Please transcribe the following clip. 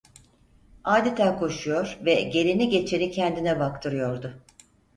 Adeta koşuyor ve geleni geçeni kendine baktırıyordu.